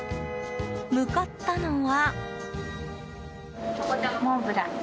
向かったのは。